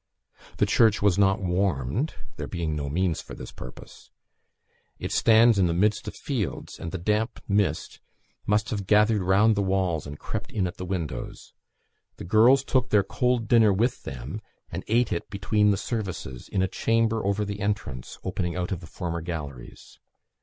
The church was not warmed, there being no means for this purpose. It stands in the midst of fields, and the damp mist must have gathered round the walls, and crept in at the windows. The girls took their cold dinner with them, and ate it between the services, in a chamber over the entrance, opening out of the former galleries.